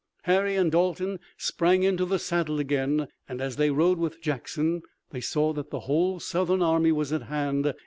Harry and Dalton sprang into the saddle again, and, as they rode with Jackson, they saw that the whole Southern army was at hand.